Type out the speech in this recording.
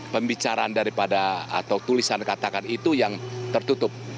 pembicaraan daripada atau tulisan katakan itu yang tertutup